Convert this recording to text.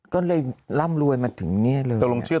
ก็เลยร่ำรวยมาถึงนี่เลย